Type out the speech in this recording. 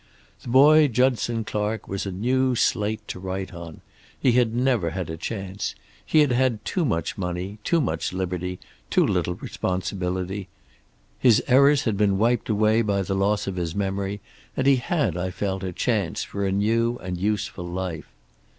The boy Judson Clark was a new slate to write on. He had never had a chance. He had had too much money, too much liberty, too little responsibility. His errors had been wiped away by the loss of his memory, and he had, I felt, a chance for a new and useful life.